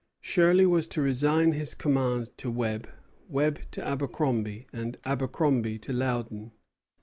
Shirley was to resign his command to Webb, Webb to Abercromby, and Abercromby to Loudon.